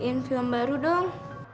hanya mau tips tips nol eh